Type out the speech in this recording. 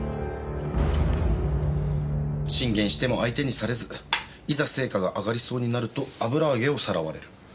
進言しても相手にされずいざ成果が上がりそうになると油揚げをさらわれる。